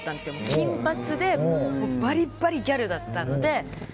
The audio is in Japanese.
金髪でバリバリギャルだったので。